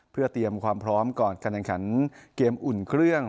เพื่อเตรียมความพร้อมก่อนการแข่งขันเกมอุ่นเครื่อง